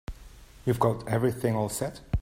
You've got everything all set?